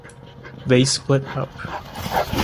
They split up.